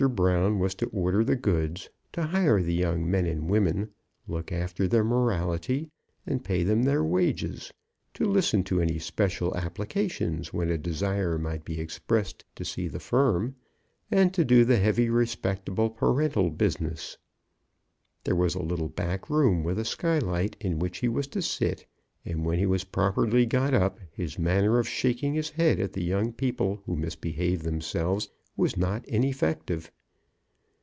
Brown was to order the goods; to hire the young men and women, look after their morality, and pay them their wages; to listen to any special applications when a desire might be expressed to see the firm; and to do the heavy respectable parental business. There was a little back room with a sky light, in which he was to sit; and when he was properly got up, his manner of shaking his head at the young people who misbehaved themselves, was not ineffective.